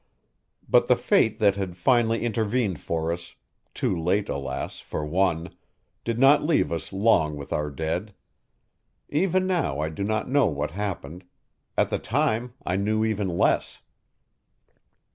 But the fate that had finally intervened for us too late, alas! for one did not leave us long with our dead. Even now I do not know what happened; at the time I knew even less.